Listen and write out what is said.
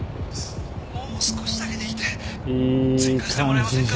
もう少しだけでいいんで追加してもらえませんか？